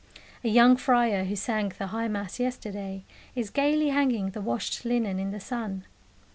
A young friar, who sang the High Mass yesterday, is gaily hanging the washed linen in the sun.